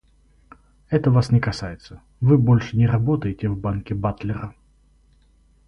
Это вас не касается, вы больше не работаете в банке Батлера.